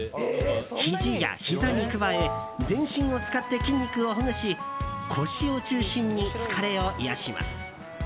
ひじやひざに加え全身を使って筋肉をほぐし腰を中心に疲れを癒やします。